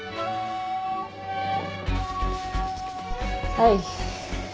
はい。